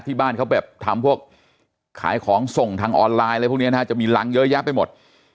ที่บ้านเขาแบบทำพวกขายของส่งทางออนไลน์จะมีหลังเยอะแยะไปหมด